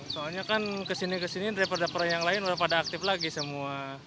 soalnya kan kesini kesini daripada peraih yang lain udah pada aktif lagi semua